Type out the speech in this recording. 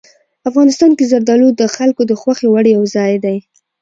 افغانستان کې زردالو د خلکو د خوښې وړ یو ځای دی.